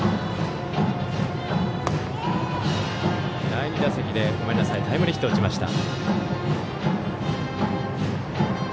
第２打席でタイムリーヒットを打ちました。